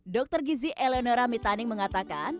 dr gizi eleonora mitaning mengatakan